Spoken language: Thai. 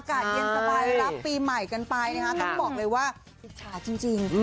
การเย็นสบายรับปีใหม่กันไปต้องบอกเลยว่าติดช้าจริง